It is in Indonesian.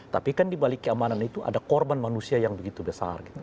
tapi kan dibalik keamanan itu ada korban manusia yang begitu besar gitu